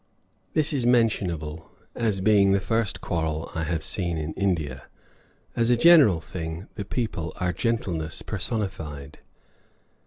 This is mentionable as being the first quarrel I have seen in India; as a general thing the people are gentleness personified.